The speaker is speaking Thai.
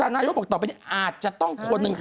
นายบอกต่อไปอาจจะต้องคนหนึ่ง